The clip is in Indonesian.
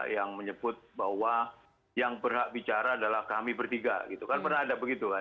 yang menyebut bahwa yang berhak bicara adalah kami bertiga gitu kan pernah ada begitu kan